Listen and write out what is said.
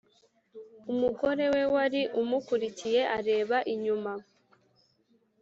Umugore we wari umukurikiye areba inyuma